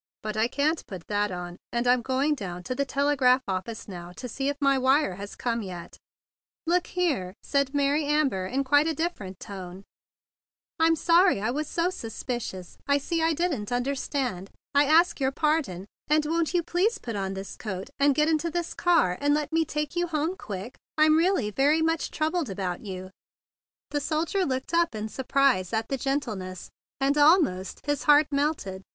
"But I can't put that on, and I'm going down to the telegraph office now to see if my wire has come yet." THE BIG BLUE SOLDIER 1 25 "Look here," said Mary Amber in quite a different tone, "I'm sorry I was so suspicious. I see I didn't under¬ stand. I ask your pardon, and won't you please put on this coat, and get into this car, and let me take you home quick? I'm really very much troubled about you." The soldier looked up in surprise at the gentleness, and almost his heart melted.